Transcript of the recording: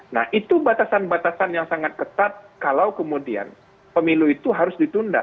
nah itu batasan batasan yang sangat ketat kalau kemudian pemilu itu harus ditunda